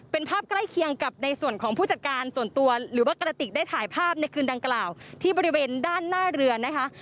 เป็นภาพใกล้เคียงกับในส่วนของผู้จัดการส่วนตัวหรือว่ากระติกได้ถ่ายภาพในคืนดังกล่าวที่บริเวณด้านหน้าเรือนะคะ